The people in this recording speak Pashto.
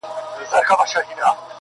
څارنوال ته سو معلوم اصلیت د وروره,